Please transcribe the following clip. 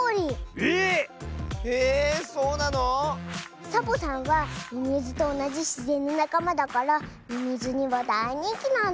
えっ⁉えそうなの⁉サボさんはミミズとおなじしぜんのなかまだからミミズにはだいにんきなんだズー。